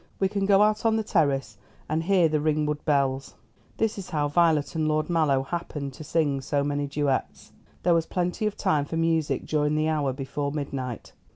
We can go out on the terrace and hear the Ringwood bells." This is how Violet and Lord Mallow happened to sing so many duets. There was plenty of time for music during the hour before midnight.